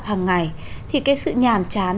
hàng ngày thì cái sự nhàm chán